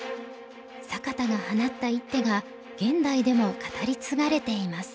坂田が放った一手が現代でも語り継がれています。